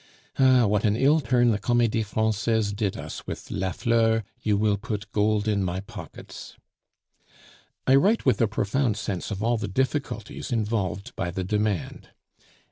Ah! what an ill turn the Comedie Francaise did us with, 'Lafleur, you will put gold in my pockets!' "I write with a profound sense of all the difficulties involved by the demand.